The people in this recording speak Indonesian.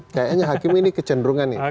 kayaknya hakim ini kecenderungan